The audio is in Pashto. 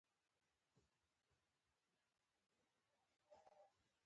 افغانستان د قومونه له مخې پېژندل کېږي.